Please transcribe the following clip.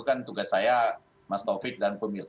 kan tugas saya mas taufik dan pemirsa